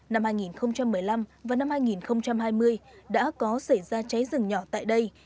năm hai nghìn một mươi năm và năm hai nghìn hai mươi đã có xảy ra cháy rừng nhỏ tại đây